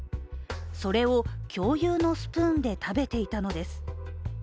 それを共有のスプーンで食べていたのです。